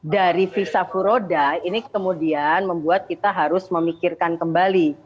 dari visa furoda ini kemudian membuat kita harus memikirkan kembali